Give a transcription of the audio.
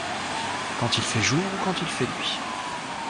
Quand il fait jour ou quand il fait nuit.